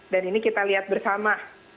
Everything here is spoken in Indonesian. dan ini kita lihat bersama